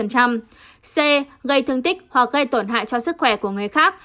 c gây thương tích hoặc gây tổn hại cho sức khỏe của người khác